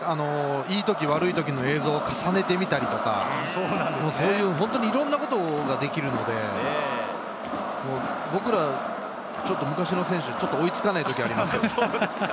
いい時、悪い時の映像を重ねてみたりとか、いろいろなことができるので、僕ら、ちょっと昔の選手は追いつかない時があります。